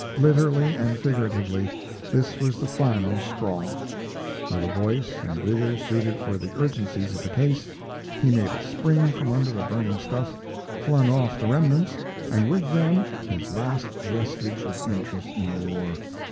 Literally and figuratively this was the final straw. With a voice and vigor suited to the urgencies of the case, he made a spring from under the burning stuff, flung off the remnants, and with them his last vestige of interest in the war.